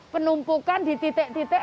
penumpukan di titik titik